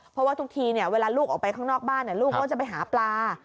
เพราะว่าทุกทีเวลาลูกออกไปข้างนอกบ้านลูกก็จะไปหาปลา